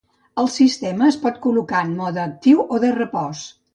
El sistema es pot col·locar en mode actiu o de repòs.